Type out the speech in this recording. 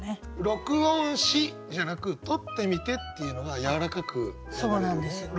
「録音し」じゃなく「録ってみて」っていうのがやわらかく流れるよね。